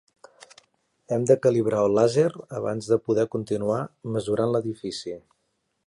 Hem de calibrar el làser abans de poder continuar mesurant l'edifici.